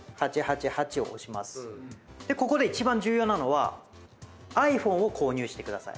ここで一番重要なのはｉＰｈｏｎｅを購入してください。